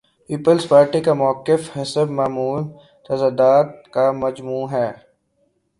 Peoples party کا موقف حسب معمول تضادات کا مجموعہ ہے۔